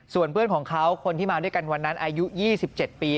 ส่วนเพื่อนของเขาคนที่มาด้วยกันวันนั้นอายุ๒๗ปี